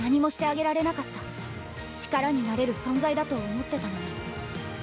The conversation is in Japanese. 力になれる存在だと思ってたのに。